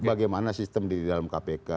bagaimana sistem di dalam kpk